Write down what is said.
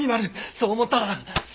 そう思ったら。